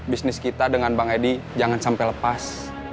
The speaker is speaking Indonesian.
bisnis kita dengan bang edi jangan sampai lepas